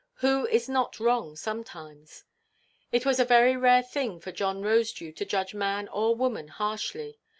Who is not wrong sometimes? It was a very rare thing for John Rosedew to judge man or woman harshly.